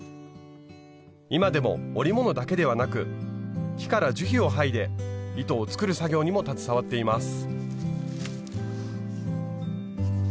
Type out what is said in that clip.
今でも織物だけではなく木から樹皮を剥いで糸を作る作業にも携わっています。